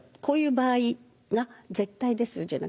こういう場合が絶対ですよ